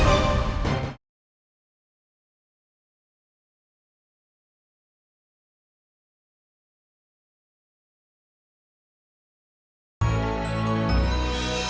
jangan jangan jangan jangan